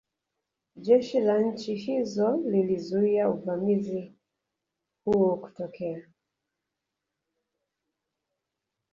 Jeshi la nchi hiyo lilizuia uvamizi huo kutokea